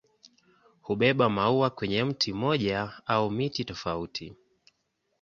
Hubeba maua kwenye mti mmoja au miti tofauti.